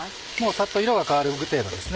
サッと色が変わる程度ですね。